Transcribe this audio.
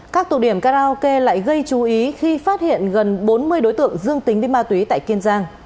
các tụ điểm karaoke lại gây chú ý khi phát hiện gần bốn mươi đối tượng dương tính với ma túy tại kiên giang